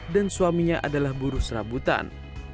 dan suaminya adalah buruh serabutan